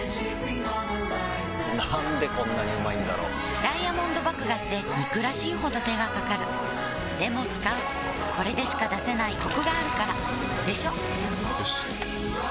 なんでこんなにうまいんだろうダイヤモンド麦芽って憎らしいほど手がかかるでも使うこれでしか出せないコクがあるからでしょよ